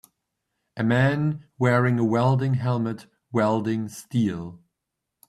A man wearing a welding helmet welding steel.